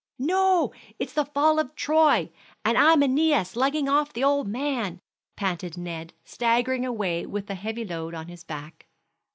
"No, it's the fall of Troy, and I'm Æneas lugging off the old man," panted Ned, staggering away with the heavy load on his back.